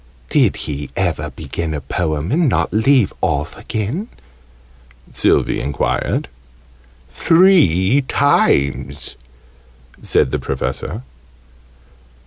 "Did he ever begin a Poem and not leave off again?" Sylvie enquired. "Three times," said the Professor.